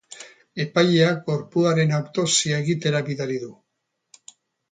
Epaileak gorpuaren autopsia egitera bidali du.